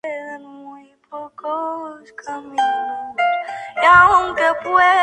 Al norte del distrito se encuentra el río Elbe.